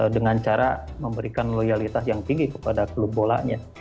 dengan cara memberikan loyalitas yang tinggi kepada klub bolanya